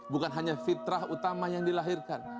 bukan hanya fitrah utama yang dilahirkan